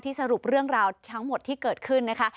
สรุปเรื่องราวทั้งหมดที่เกิดขึ้นนะคะ